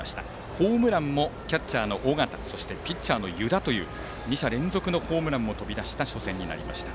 ホームランもキャッチャーの尾形そしてピッチャーの湯田という２者連続ホームランも飛び出した初戦になりました。